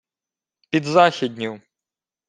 — Під західню!